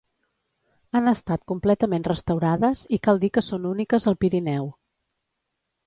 Han estat completament restaurades i cal dir que són úniques al Pirineu.